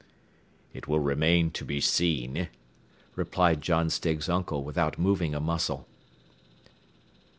"It will remain to be seen," replied John Stiggs' uncle without moving a muscle.